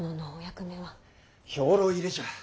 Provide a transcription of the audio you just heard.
兵糧入れじゃ。